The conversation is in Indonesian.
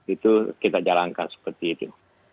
itu kita jalankan seperti itu